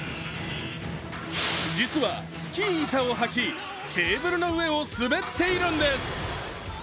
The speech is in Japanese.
実は、スキー板をはきケーブルの上を滑っているんです。